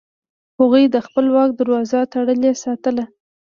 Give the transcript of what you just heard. هغوی د خپل واک دروازه تړلې ساتله.